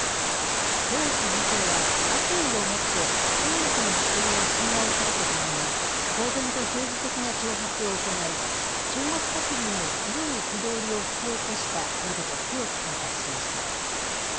ペロシ議長は、悪意をもって中国の主権を侵害するとともに、公然と政治的な挑発を行い、中国国民の強い憤りを引き起こしたなどと強く反発しました。